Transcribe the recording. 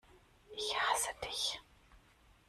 Ich hasse Dich!